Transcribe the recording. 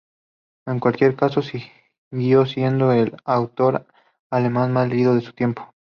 En cualquier caso, siguió siendo el autor alemán más leído de su tiempo.